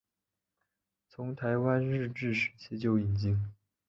从台湾日治时期就引进。